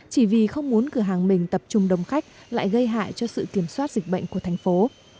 chỉ vì không muốn cửa hàng mình tập trung đông khách lại gây hại cho sự kiểm soát dịch bệnh của thành phố